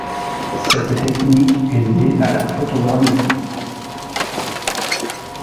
Cette technique est liée à la photogrammétrie.